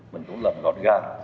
mình cũng làm gọn gàng